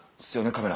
カメラ。